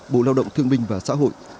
bộ lao động thương minh và xã hội